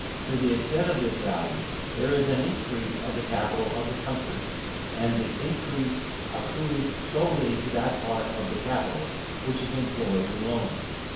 To the extent of this value, there is an increase of the capital of the country; and the increase accrues solely to that part of the capital which is employed in loans.